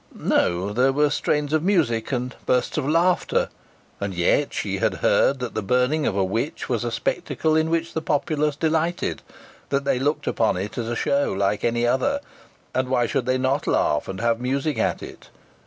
No there were strains of music, and bursts of laughter. And yet she had heard that the burning of a witch was a spectacle in which the populace delighted that they looked upon it as a show, like any other; and why should they not laugh, and have music at it?